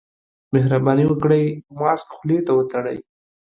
مهرباني وکړئ، ماسک خولې ته وتړئ.